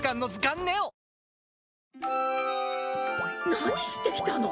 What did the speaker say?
何してきたの？